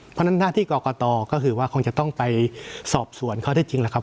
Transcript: เพราะฉะนั้นหน้าที่กอต่อก็คือว่าคงจะต้องไปสอบส่วนเขาที่จริงนะครับ